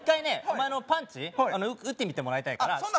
お前のパンチ打ってみてもらいたいからあっ